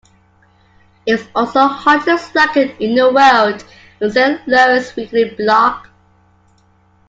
It was also Hottest Record in the World on Zane Lowe's weekly blog.